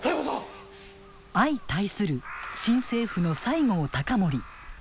相対する新政府の西郷隆盛。